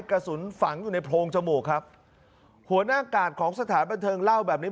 กระสุนฝังอยู่ในโพรงจมูกครับหัวหน้ากาดของสถานบันเทิงเล่าแบบนี้